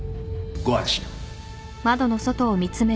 ご安心を。